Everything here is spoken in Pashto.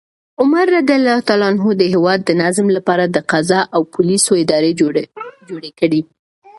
عمر رض د هیواد د نظم لپاره د قضا او پولیسو ادارې جوړې کړې.